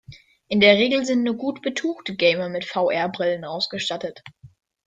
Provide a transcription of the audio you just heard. In der Regel sind nur gut betuchte Gamer mit VR-Brillen ausgestattet.